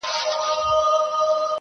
خو یو بل وصیت هم سپي دی راته کړی,